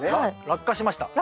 落下しました。